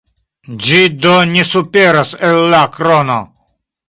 Ĝi do ne superas el la krono.